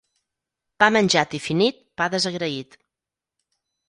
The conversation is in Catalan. Pa menjat i finit, pa desagraït.